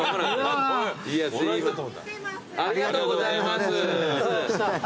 ありがとうございます。